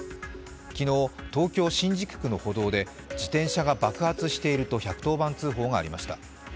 昨日、東京・新宿区の歩道で自転車が爆発していると１１０番通報がありました。